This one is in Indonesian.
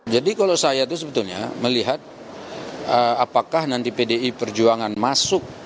jadi kalau saya itu sebetulnya melihat apakah nanti pdi perjuangan masuk